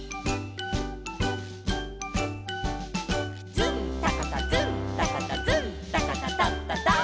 「ズンタカタズンタカタズンタカタタッタッター」